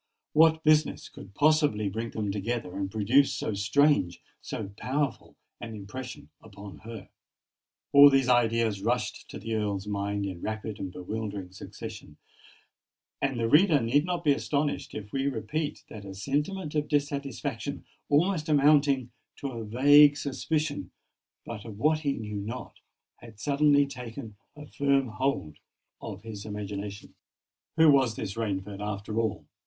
What business could possibly bring them together, and produce so strange—so powerful an impression upon her? All these ideas rushed to the Earl's mind in rapid and bewildering succession; and the reader need not be astonished if we repeat that a sentiment of dissatisfaction—almost amounting to a vague suspicion, but of what he knew not—had suddenly taken a firm hold of his imagination. Who was this Rainford, after all?